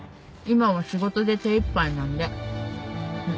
今は仕事で手いっぱいなんで。